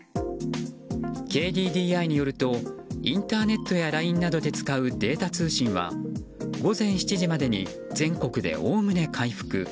ＫＤＤＩによるとインターネットやＬＩＮＥなどで使うデータ通信は、午前７時までに全国でおおむね回復。